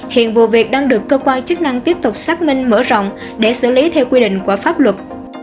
hiện vụ việc đang được cơ quan chức năng tiếp tục xác minh mở rộng để xử lý theo quy định của pháp luật